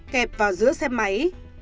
kẹp vào giữa xe máy